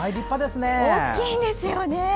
大きいんですよね。